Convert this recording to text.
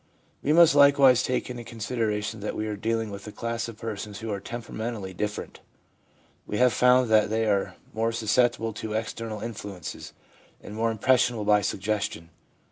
We must likewise take into consideration that we are dealing with a class of persons who are temperamentally different. We have found that they are more susceptible to external in fluences, and more impressionable by suggestion.